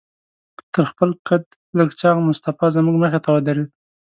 تر خپل قد لږ چاغ مصطفی زموږ مخې ته ودرېد.